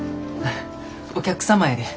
お客様やで。